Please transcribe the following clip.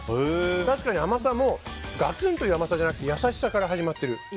確かに甘さもガツンという甘さじゃなくて優しさから始まってる。